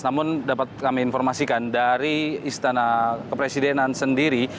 namun dapat kami informasikan dari istana kepresidenan sendiri